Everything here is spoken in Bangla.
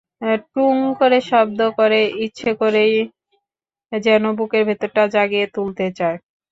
টুং করে শব্দ করে—ইচ্ছে করেই করে, যেন বুকের ভেতরটা জাগিয়ে তুলতে চায়।